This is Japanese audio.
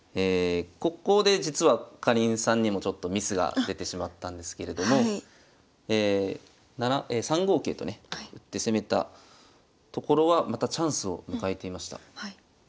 ここで実はかりんさんにもちょっとミスが出てしまったんですけれども３五桂とね打って攻めたところはまたチャンスを迎えていました。